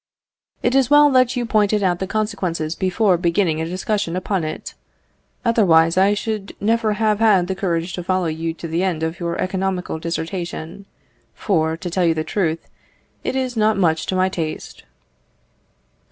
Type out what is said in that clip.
It is well that you pointed out the consequences before beginning a discussion upon it; otherwise, I should never have had the courage to follow you to the end of your economical dissertation, for, to tell you the truth, it is not much to my taste.